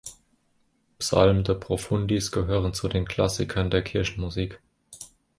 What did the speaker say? Psalm, "De profundis", gehören zu den Klassikern der Kirchenmusik.